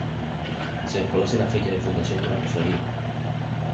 Se desconoce la fecha de fundación de la cofradía.